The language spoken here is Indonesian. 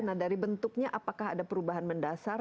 nah dari bentuknya apakah ada perubahan mendasar